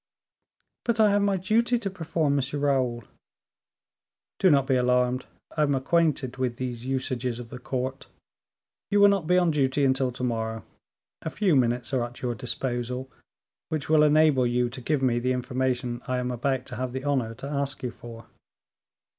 "But I have my duty to perform, M. Raoul." "Do not be alarmed, I am acquainted with these usages of the court; you will not be on duty until to morrow; a few minutes are at your disposal, which will enable you to give me the information I am about to have the honor to ask you for."